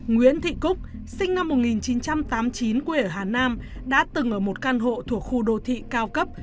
nguyễn thị cúc sinh năm một nghìn chín trăm tám mươi chín quê ở hà nam đã từng ở một căn hộ thuộc khu đô thị cao cấp